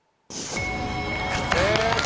正解！